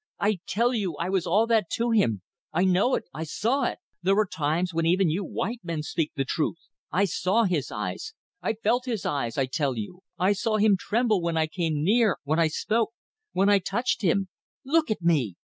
"I tell you I was all that to him. I know it! I saw it! ... There are times when even you white men speak the truth. I saw his eyes. I felt his eyes, I tell you! I saw him tremble when I came near when I spoke when I touched him. Look at me!